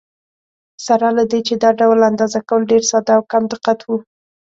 سره له دې چې دا ډول اندازه کول ډېر ساده او کم دقت و.